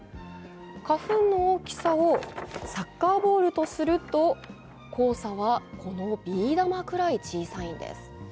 花粉の大きさをサッカーボールとすると、黄砂は、このビー玉くらい小さいんです。